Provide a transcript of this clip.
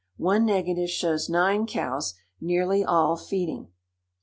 One negative shows nine cows, nearly all feeding.